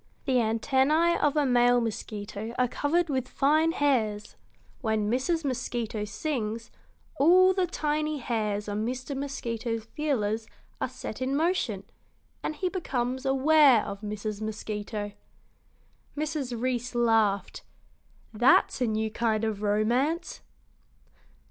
The antennæ of a male mosquito are covered with fine hairs. When Mrs. Mosquito sings, all the tiny hairs on Mr. Mosquito's feelers are set in motion, and he becomes aware of Mrs. Mosquito." Mrs. Reece laughed. "That's a new kind of romance!"